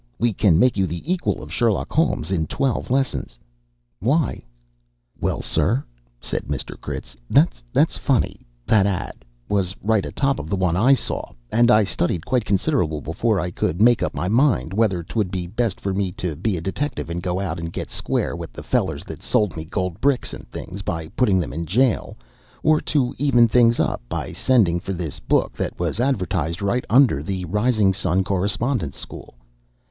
We can make you the equal of Sherlock Holmes in twelve lessons.' Why?" "Well, sir," said Mr. Critz, "that's funny. That ad. was right atop of the one I saw, and I studied quite considerable before I could make up my mind whether 'twould be best for me to be a detective and go out and get square with the fellers that sold me gold bricks and things by putting them in jail, or to even things up by sending for this book that was advertised right under the 'Rising Sun Correspondence School.'